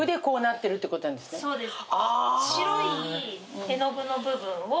そうです。